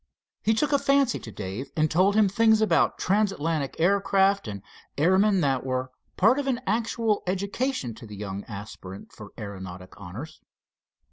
He took a fancy to Dave, and told him things about transatlantic aircraft and airmen that were part of an actual education to the young aspirant for aeronautic honors.